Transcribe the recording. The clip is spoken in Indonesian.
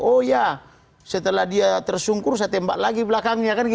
oh ya setelah dia tersungkur saya tembak lagi belakangnya